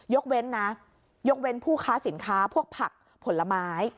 ยกเว้นนะยกเว้นผู้ค้าสินค้าพวกผักผลไม้